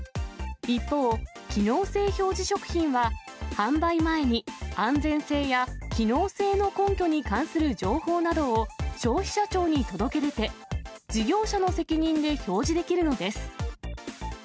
一方、機能性表示食品は、販売前に安全性や機能性の根拠に関する情報などを消費者庁に届け出て、事業者の責任で表示できるのです。